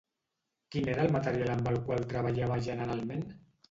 Quin era el material amb el qual treballava generalment?